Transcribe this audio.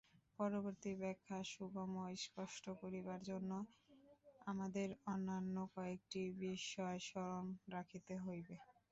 পরবর্তী ব্যাখ্যা সুগম ও স্পষ্ট করিবার জন্য আমাদের অন্যান্য কয়েকটি বিষয় স্মরণ রাখিতে হইবে।